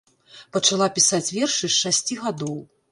Пачала пісаць вершы з шасці гадоў.